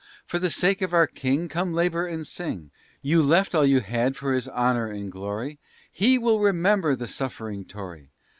For the sake of our King, Come labor and sing. You left all you had for his honor and glory, And he will remember the suffering Tory.